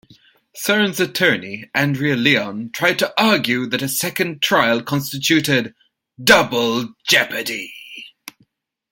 Cryns' attorney, Andrea Lyon, tried to argue that a second trial constituted double jeopardy.